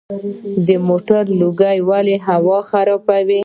د موټرو لوګی هوا خرابوي.